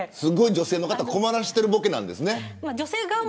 女性の方を困らせているボケなんですかね。